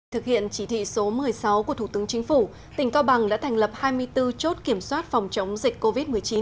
thực hiện chỉ thị số một mươi sáu của thủ tướng chính phủ tỉnh cao bằng đã thành lập hai mươi bốn chốt kiểm soát phòng chống dịch covid một mươi chín